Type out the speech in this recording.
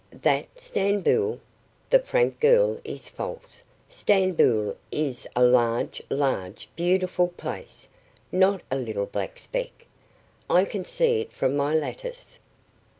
"That Stamboul! The Frank girl is false; Stamboul is a large, large, beautiful place; not a little black speck. I can see it from my lattice.